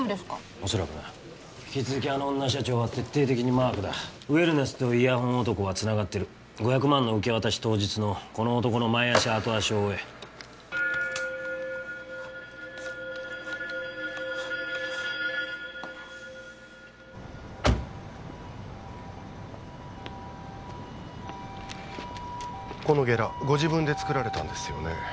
おそらくな引き続きあの女社長は徹底的にマークだウェルネスとイヤホン男はつながってる５００万の受け渡し当日のこの男の前足後足を追えこのゲラご自分で作られたんですよね？